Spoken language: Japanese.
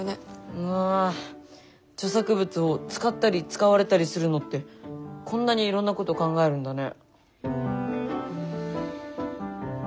うわ著作物を使ったり使われたりするのってこんなにいろんなこと考えるんだね。